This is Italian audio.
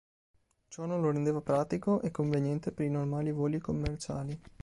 Ciò non lo rendeva pratico e conveniente per i normali voli commerciali.